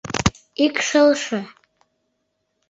Ик шылше.